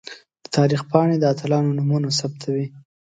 د تاریخ پاڼې د اتلانو نومونه ثبتوي.